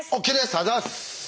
ありがとうございます！